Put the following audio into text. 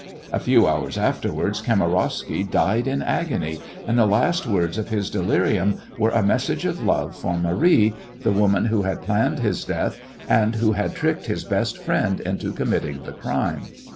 A few hours afterwards Kamarowsky died in agony, and the last words of his delirium were a message of love for Marie, the woman who had planned his death and who had tricked his best friend into committing the crime.